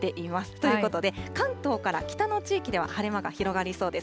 ということで、関東から北の地域では晴れ間が広がりそうです。